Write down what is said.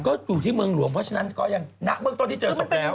ก็อยู่ที่เมืองหลวงเพราะฉะนั้นก็ยังณเบื้องต้นที่เจอศพแล้ว